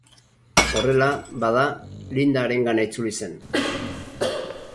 Horrela, bada, Linda harengana itzuli zen.